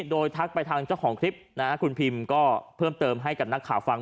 โดยทักไปทางเจ้าของคลิปนะฮะคุณพิมก็เพิ่มเติมให้กับนักข่าวฟัง